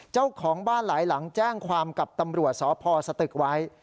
เจ้าของบ้านหลายหลังแจ้งความกับตำรวจสพสตึกไว้